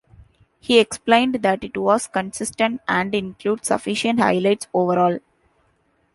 He explained that it was "consistent and includes sufficient highlights" overall.